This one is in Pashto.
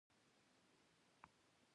په افغانستان کې د وحشي حیوانات منابع شته.